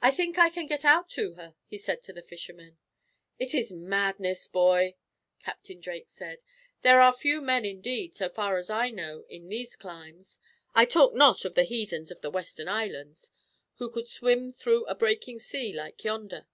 "I think I can get out to her," he said, to the fishermen. "It is madness, boy," Captain Drake said. "There are few men, indeed, so far as I know, in these climes I talk not of the heathens of the Western Islands who could swim through a breaking sea, like yonder."